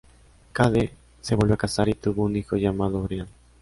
Cade se volvió a casar y tuvo un hijo llamado Brian.